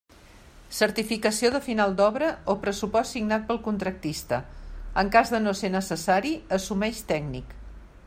Certificació de final d'obra, o pressupost signat pel contractista en cas de no ser necessari assumeix tècnic.